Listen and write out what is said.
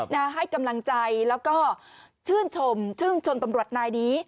ให้กำลังใจแล้วก็ชื่นชมชื่นชนตำรวจนายนี้